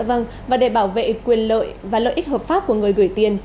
vâng và để bảo vệ quyền lợi và lợi ích hợp pháp của người gửi tiền